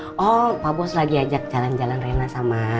tunggu pak bos lagi ajak jalan jalan rena sama